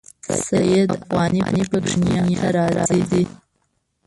سید افغاني په کې دنیا ته راځي.